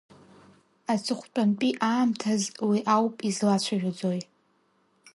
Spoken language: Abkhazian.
Аҵыхәтәантәи аамҭаз уи ауп излацәажәаӡои.